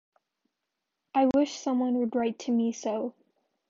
I wish some one would write to me so!